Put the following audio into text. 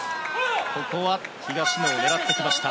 ここは東野を狙ってきました。